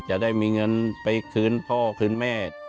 จะได้มีเงินไปคืนพ่อคืนแม่